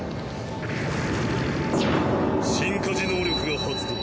進化時能力が発動。